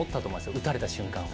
打たれた瞬間は。